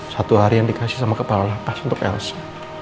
satu hari yang dikasih sama kepala lapas untuk lc